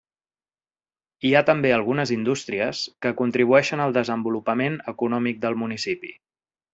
Hi ha també algunes indústries, que contribueixen al desenvolupament econòmic del municipi.